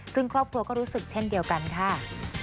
ซึ่งครอบครัวก็รู้สึกเช่นเดียวกันค่ะ